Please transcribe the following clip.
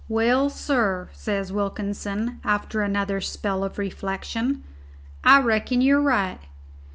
"Well, sir," says Wilkinson, after another spell of reflection, "I reckon you're right.